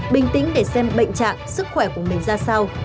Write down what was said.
bình tĩnh để xem bệnh trạng sức khỏe của mình ra sao